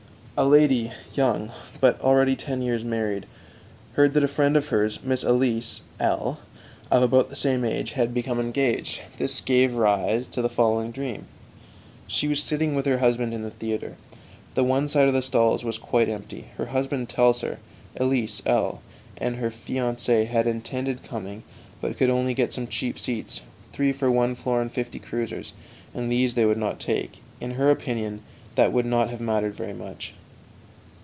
A lady, young, but already ten years married, heard that a friend of hers, Miss Elise L , of about the same age, had become engaged. This gave rise to the following dream: _She was sitting with her husband in the theater; the one side of the stalls was quite empty. Her husband tells her, Elise L and her fiancé had intended coming, but could only get some cheap seats, three for one florin fifty kreuzers, and these they would not take. In her opinion, that would not have mattered very much.